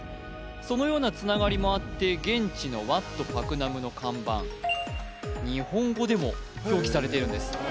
そのようなつながりもあって現地のワット・パクナムの看板日本語でも表記されているんです